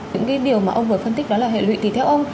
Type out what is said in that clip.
những cái điều mà ông vừa phân tích đó là hệ lụy thì theo ông